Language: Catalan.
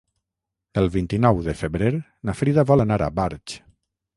El vint-i-nou de febrer na Frida vol anar a Barx.